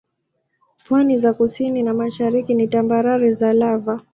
Pwani za kusini na mashariki ni tambarare za lava.